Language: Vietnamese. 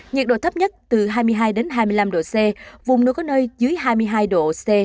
nhiệt độ thấp nhất từ hai mươi hai hai mươi năm độ c vùng núi có nơi dưới hai mươi hai độ c